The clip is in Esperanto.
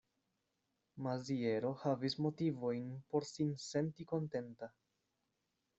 Maziero havis motivojn por sin senti kontenta.